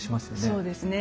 そうですね。